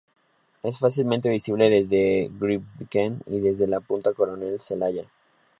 Es fácilmente visible desde Grytviken y desde la punta Coronel Zelaya.